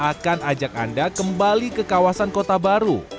akan ajak anda kembali ke kawasan kota baru